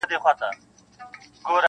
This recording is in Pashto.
د اورنګ شراب په ورکي -